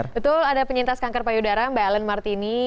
betul ada penyintas kanker payudara mbak ellen martini